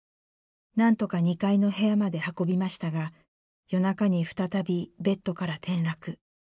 何とか２階の部屋まで運びましたが夜中に再びベッドから転落。